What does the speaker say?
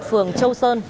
phường châu sơn